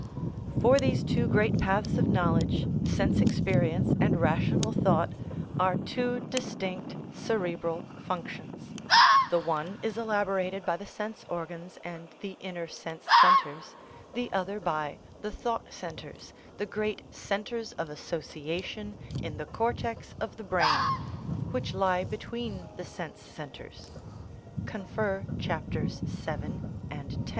For these two great paths of knowledge, sense experience and rational thought, are two distinct cerebral functions; the one is elaborated by the sense organs and the inner sense centres, the other by the thought centres, the great "centres of association in the cortex of the brain/' which lie be tween the sense centres. (Cf. cc. vii. and x.)